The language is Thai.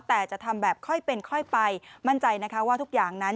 แต่จะทำแบบค่อยเป็นค่อยไปมั่นใจนะคะว่าทุกอย่างนั้น